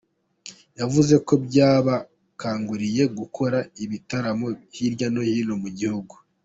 Yavuze ko byabakanguriye gukora ibitaramo hirya no hino mu gihugu.